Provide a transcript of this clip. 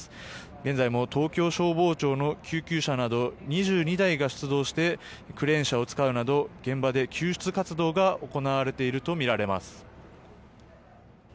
現在も東京消防庁の救急車など２２台が出動してクレーン車を使うなど現場で救出活動が行われているとみられます。